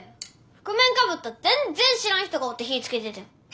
覆面かぶった全然知らん人がおって火ぃつけててん。